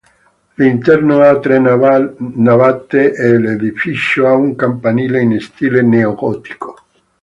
L'interno ha tre navate è l'edificio ha un campanile in stile neogotico.